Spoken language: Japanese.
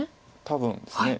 多分ですね。